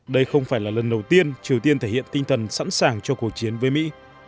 đây không phải là lần đầu tiên triều tiên thể hiện tinh thần sẵn sàng cho cuộc chiến với mỹ